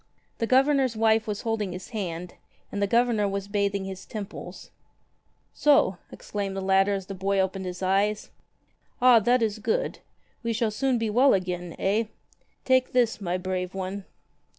The Governor's wife was holding his hand, and the Governor was bathing his temples. ''So!" exclaimed the latter as the boy opened his eyes. "Ah, that is good! We shall soon be well again, eh? Take this, my brave one!"